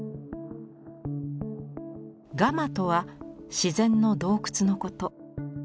「ガマ」とは自然の洞窟のこと。